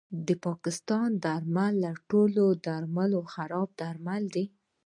د پاکستان درمل له ټولو درملو خراب درمل دي